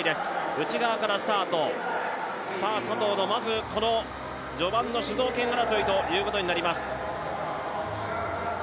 内側からスタート佐藤のまず、この序盤の主導権争いということになります。